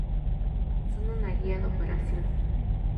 Son una guía de operación.